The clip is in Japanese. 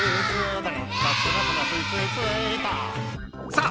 さあ